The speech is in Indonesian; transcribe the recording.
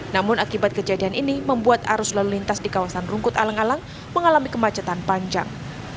namun akibat kejadian ini membuat arus lalu lintas di kawasan rungkut alang alang mengalami kemacetan panjang